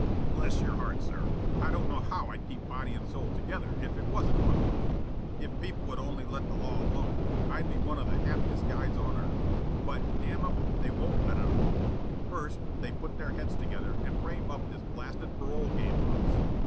"Bless your heart, sir, I don't know how I'd keep body and soul together if it wasn't for the law. If people would only let the law alone, I'd be one of the happiest guys on earth. But, damn 'em, they won't let it alone. First, they put their heads together and frame up this blasted parole game on us.